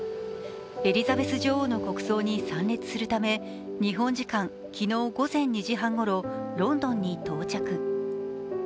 エリザベス女王の国葬に参列するため、日本時間昨日午前２時半ごろ、ロンドンに到着。